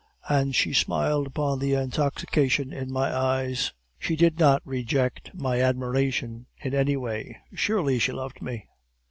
And she smiled upon the intoxication in my eyes; she did not reject my admiration in any way; surely she loved me!